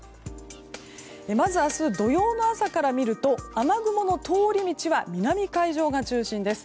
まず明日、土曜の朝から見ると雨雲の通り道は南海上が中心です。